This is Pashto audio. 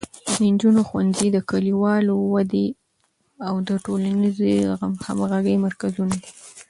د نجونو ښوونځي د کلیوالو ودې او د ټولنیزې همغږۍ مرکزونه دي.